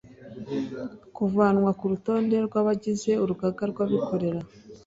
kuvanwa ku rutonde rw abagize Urugaga rw’abikorera